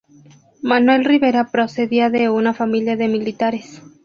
Manuel Rivera procedía de una familia de militares.